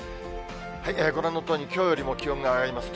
ご覧のとおり、きょうよりも気温が上がります。